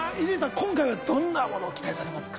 今回はどんなものを期待されますか？